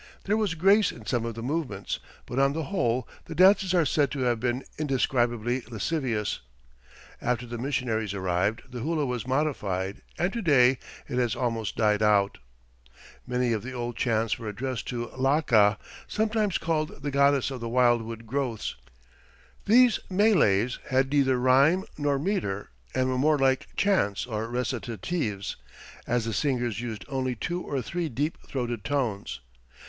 There was grace in some of the movements, but on the whole the dances are said to have been "indescribably lascivious." After the missionaries arrived, the hula was modified, and to day it has almost died out. [Illustration: A Hula Dancer With some concession in costume to Western conventions] Many of the old chants were addressed to Laka, sometimes called the "goddess of the wildwood growths." These meles had neither rime nor meter and were more like chants or recitatives, as the singers used only two or three deep throated tones.